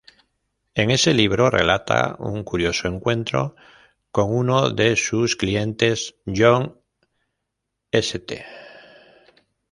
En ese libro relata un curioso encuentro con uno de sus clientes, John St.